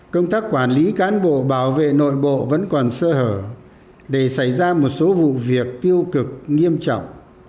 công tác quản lý cán bộ bảo vệ nội bộ vẫn còn sơ hở để xảy ra một số vụ việc tiêu cực nghiêm trọng